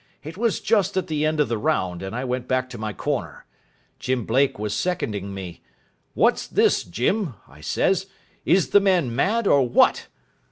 It was just at the end of the round, and I went back to my corner. Jim Blake was seconding me. 'What's this, Jim?' I says, 'is the man mad, or what?'